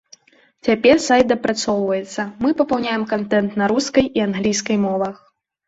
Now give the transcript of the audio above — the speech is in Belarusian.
Цяпер сайт дапрацоўваецца, мы папаўняем кантэнт на рускай і англійскай мовах.